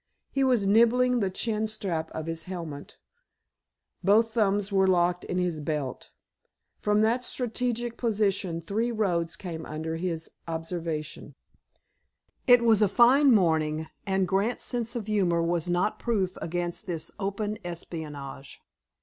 He was nibbling the chin strap of his helmet; both thumbs were locked in his belt. From that strategic position three roads came under observation. It was a fine morning, and Grant's sense of humor was not proof against this open espionage.